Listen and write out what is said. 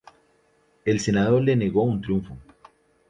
El Senado le negó un triunfo.